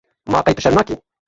Ma qey tu şerm nakî?